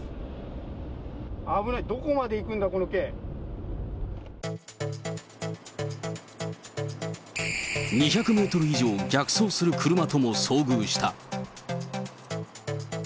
どこまで行くんだ、この２００メートル以上逆走する車とも遭遇した。